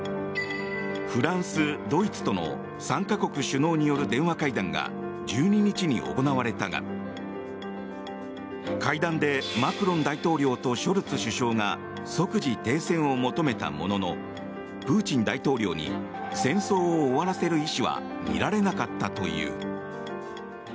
フランス、ドイツとの３か国首脳による電話会談が１２日に行われたが会談でマクロン大統領とショルツ首相が即時停戦を求めたもののプーチン大統領に戦争を終わらせる意思は見られなかったという。